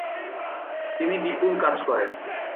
তিনি বিপুল কাজ করেন।